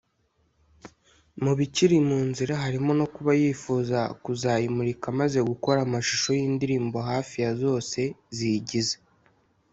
Mu bikiri mu nzira harimo no kuba yifuza kuzayimurika amaze gukora amashusho y’indirimbo hafi ya zose ziyigize